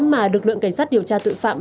mà lực lượng cảnh sát điều tra tội phạm